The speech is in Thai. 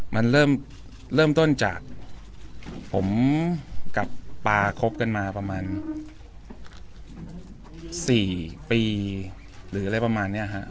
มันเริ่มต้นจากผมกับปาร์ครบกันมาประมาณ๔ปีหรืออะไรแบบนี้ครับ